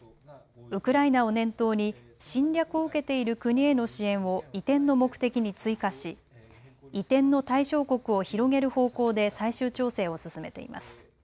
ウクライナを念頭に侵略を受けている国への支援を移転の目的に追加し移転の対象国を広げる方向で最終調整を進めています。